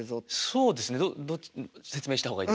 そうですね説明した方がいいですよね？